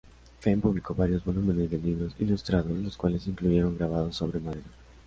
Fenn publicó varios volúmenes de libros ilustrados, los cuales incluyeron grabados sobre madera.